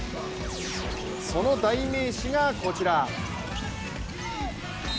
その代名詞がこちら。